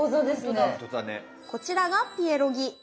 こちらがピエロギ。